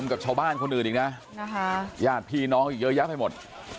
กับชาวบ้านคนอื่นอีกนะญาติพี่น้องอีกเยอะแยะไปหมด